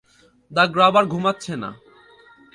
The grabber ঘুমাচ্ছে না।